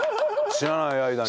知らない間に。